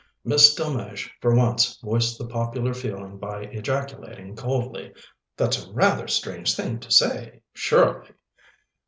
Miss Delmege for once voiced the popular feeling by ejaculating coldly. "That's rather a strange thing to say, surely!"